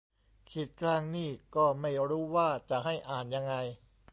ขีดกลางนี่ก็ไม่รู้ว่าจะให้อ่านยังไง